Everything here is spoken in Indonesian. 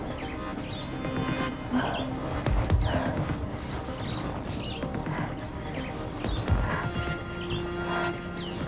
aku harus cepat cepat ngurus keberangkatannya